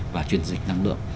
và truyền dịch năng lượng